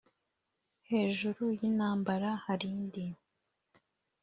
hejuru y'intambara harindi